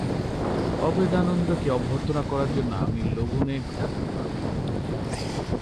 অভেদানন্দকে অভ্যর্থনা করার জন্য আমি লণ্ডনে থাকতে পারব না।